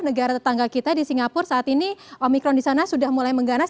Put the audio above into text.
negara tetangga kita di singapura saat ini omikron di sana sudah mulai mengganas